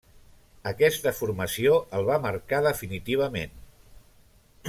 Aquesta formació el va marcar definitivament.